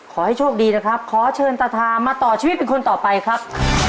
ขอให้โชคดีนะครับขอเชิญตาทามาต่อชีวิตเป็นคนต่อไปครับ